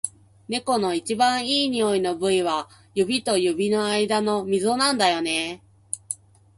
猫の一番いい匂いの部位は、指と指の間のみぞなんだよね。